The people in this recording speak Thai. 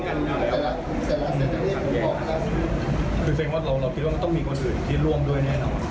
คือแสดงว่าเราคิดว่ามันต้องมีคนอื่นที่ร่วมด้วยแน่นอน